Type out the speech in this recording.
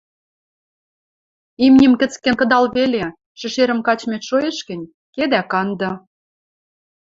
Имним кӹцкен кыдал веле, шӹшерӹм качмет шоэш гӹнь, ке дӓ канды.